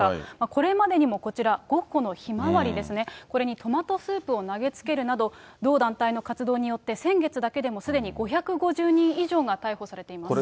これまでにもこちら、ゴッホのひまわりですね、これにトマトスープを投げつけるなど、同団体の活動によって、先月だけでも、すでに５５０人以上が逮捕されています。